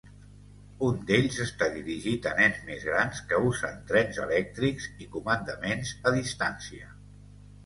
Un d'ells està dirigit a nens més grans que usen trens elèctrics i comandaments a distància.